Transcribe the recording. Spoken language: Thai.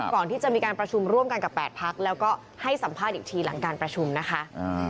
ก่อนที่จะมีการประชุมร่วมกันกับ๘พักแล้วก็ให้สัมภาษณ์อีกทีหลังการประชุมนะคะ